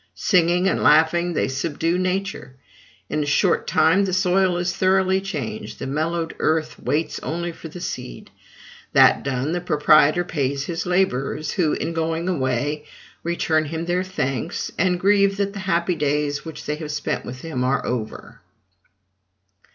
Singing and laughing, they subdue Nature. In a short time, the soil is thoroughly changed; the mellowed earth waits only for the seed. That done, the proprietor pays his laborers, who, on going away, return him their thanks, and grieve that the happy days which they have spent with him are over.